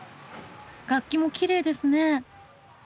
楽器もきれいですね。